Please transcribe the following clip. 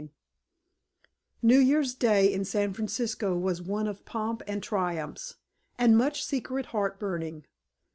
XIX New Year's Day in San Francisco was one of pomp and triumphs, and much secret heart burning.